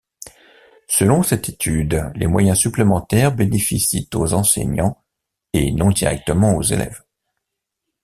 Selon cette étude, les moyens supplémentaires bénéficient aux enseignants et non directement aux élèves.